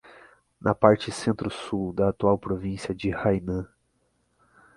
Na parte centro-sul da atual província de Hainan.